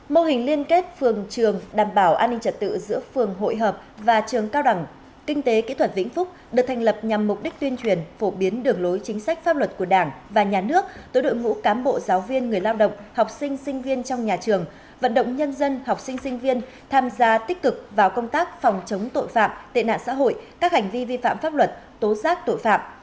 mô hình liên kết phường trường đảm bảo an ninh trật tự giữa phường hội hợp và trường cao đẳng kinh tế kỹ thuật vĩnh phúc được thành lập nhằm mục đích tuyên truyền phổ biến đường lối chính sách pháp luật của đảng và nhà nước tối đội ngũ cám bộ giáo viên người lao động học sinh sinh viên trong nhà trường vận động nhân dân học sinh sinh viên tham gia tích cực vào công tác phòng chống tội phạm tệ nạn xã hội các hành vi vi phạm pháp luật tố giác tội phạm